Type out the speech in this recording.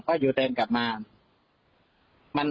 พออยู่เตรียมกลับมา